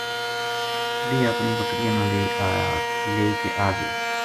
ویہ اپنی بکریاں نا لے ا ٓ گیا